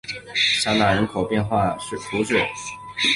沙奈人口变化图示